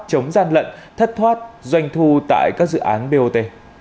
chống gian lận thất thoát doanh thu tại các dự án bot